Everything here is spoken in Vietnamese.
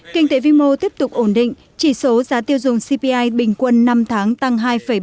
kinh tế vi mô tiếp tục ổn định chỉ số giá tiêu dùng cpi bình quân năm tháng tăng hai bảy